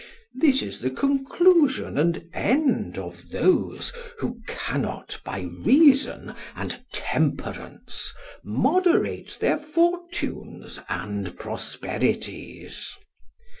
This is the conclusion and end of those who cannot by reason and temperance moderate their fortunes and prosperities.